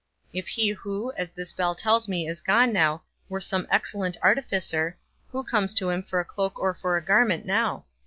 If he who, as this bell tells me, is gone now, were some excellent artificer, who comes to him for a cloak or for a garment now?